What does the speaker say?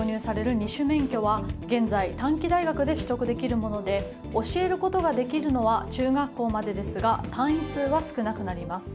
２種免許は現在、短期大学で取得できるもので教えることができるのは中学校までですが単位数は少なくなります。